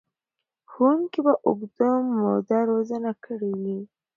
ښوونکي به اوږده موده روزنه کړې وي.